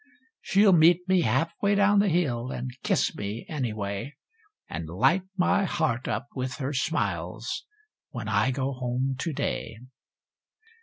She'll meet me half way down the hill, and kiss me, any way; And light my heart up with her smiles, when I go home to day!